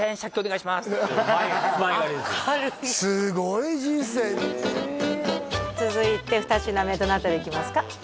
すごい人生続いて二品目どの辺りいきますか？